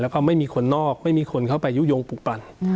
แล้วก็ไม่มีคนนอกไม่มีคนเข้าไปยุโยงปลูกปั่น